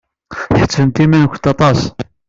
Tḥettbemt iman-nkent aṭas!